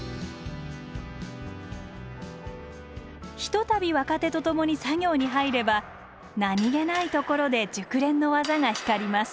ひとたび若手と共に作業に入れば何気ないところで熟練の技が光ります